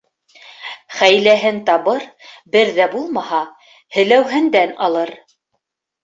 — Хәйләһен табыр, бер ҙә булмаһа, һеләүһендән алыр.